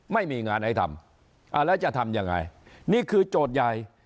ไม่มีงานให้ทำแล้วจะทำยังไงนี่คือโจทย์ใหญ่